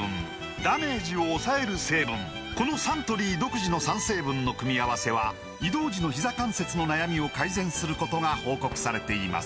このサントリー独自の３成分の組み合わせは移動時のひざ関節の悩みを改善することが報告されています